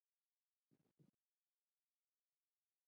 قطره یي اوبولګول اوبه سپموي.